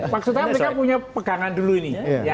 maksudnya mereka punya pegangan dulu ini